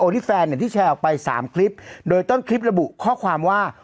ที่แฟนเนี่ยที่แชร์ออกไปสามคลิปโดยต้นคลิประบุข้อความว่า